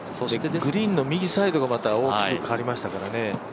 グリーンの右サイドが大きく変わりましたからね。